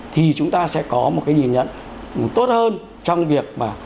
thì chúng ta sẽ có một cái nhìn nhận tốt hơn trong việc